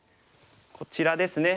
こちらですね。